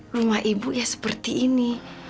rumah ibu ya seperti ini